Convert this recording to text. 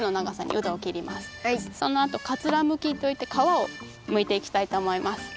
そのあとかつらむきといってかわをむいていきたいとおもいます。